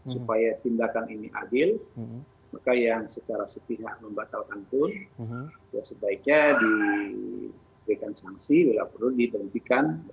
supaya tindakan ini adil maka yang secara sepihak membatalkan pun ya sebaiknya diberikan sanksi bila perlu diberhentikan